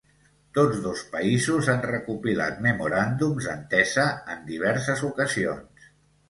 Tots dos països han recopilat memoràndums d'entesa en diverses ocasions.